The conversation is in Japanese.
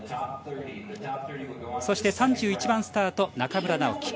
そして３１番スタート中村直幹。